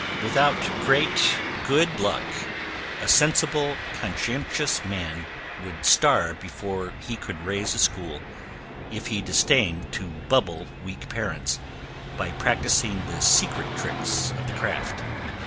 Without great good luck, a sensible, conscientious man, would starve before he could raise a school, if he disdained to bubble weak parents, by practising the secret tricks of the craft.